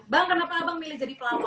bang kenapa abang milih jadi pelanggan